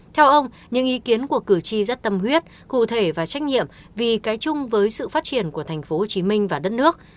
theo ông những ý kiến của cử tri rất tâm huyết cụ thể và trách nhiệm vì cái chung với sự phát triển của tp hcm và đất nước